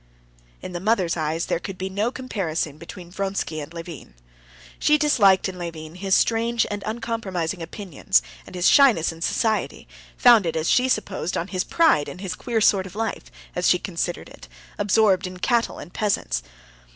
In the mother's eyes there could be no comparison between Vronsky and Levin. She disliked in Levin his strange and uncompromising opinions and his shyness in society, founded, as she supposed, on his pride and his queer sort of life, as she considered it, absorbed in cattle and peasants.